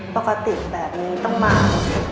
ปกติแบบนี้ต้องมา